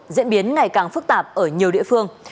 diễn biến ngày càng phức tạp ở nhiều địa phương